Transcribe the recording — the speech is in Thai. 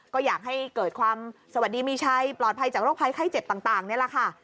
ก็อยากให้เกิดความสวัสดีมีชัยปลอดภัยจากโรคภัยไข้เจ็บต่างนี่แหละค่ะ